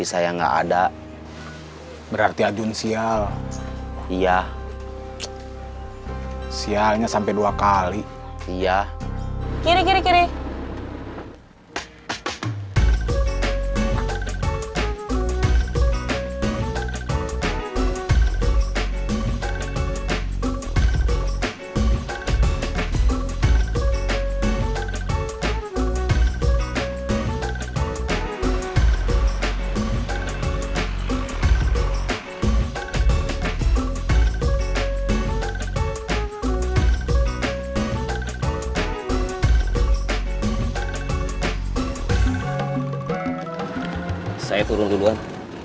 saya turun duluan